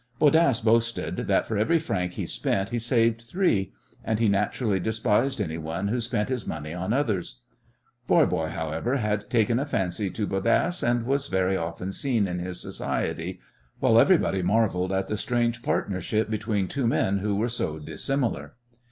Bodasse boasted that for every franc he spent he saved three, and he naturally despised anyone who spent his money on others. Voirbo, however, had taken a fancy to Bodasse, and was very often seen in his society, while everybody marvelled at the strange partnership between two men who were so dissimilar.